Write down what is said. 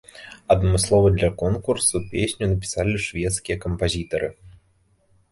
Адмыслова для конкурсу песню напісалі шведскія кампазітары.